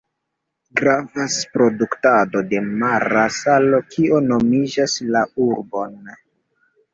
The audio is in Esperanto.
Gravas produktado de mara salo, kio nomigas la urbon.